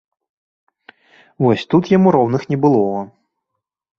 Вось тут яму роўных не было.